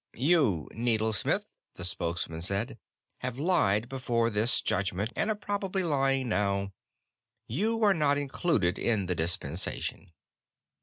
"You, needlesmith," the Spokesman said, "have lied before this Judgment, and are probably lying now. You are not included in the dispensation."